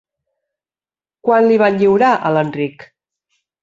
Quan l'hi van lliurar, a l'Enric?